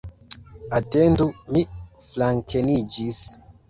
Atendu, mi flankeniĝis.